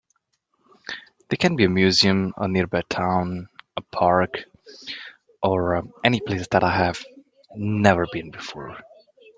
They can be a museum, a nearby town, a park, or any place that I have never been before.